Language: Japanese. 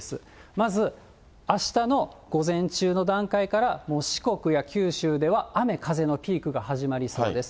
まずあしたの午前中の段階から、もう四国や九州では雨、風のピークが始まりそうです。